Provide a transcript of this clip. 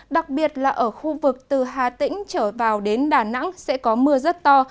đặc biệt là ở khu vực từ hà tĩnh trở vào đến đà nẵng sẽ có mưa rất to